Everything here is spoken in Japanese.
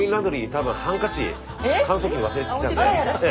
多分ハンカチ乾燥機に忘れてきたんで。